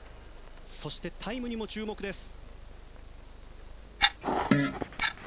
そしてタイムにも注目です。